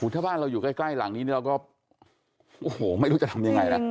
ถ้าบ้านเราอยู่ใกล้หลังนี้เราก็โอ้โหไม่รู้จะทำยังไงนะ